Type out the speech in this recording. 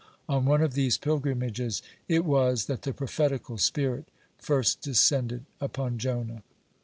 (39) On one of these pilgrimages it was that the prophetical spirit first descended upon Jonah.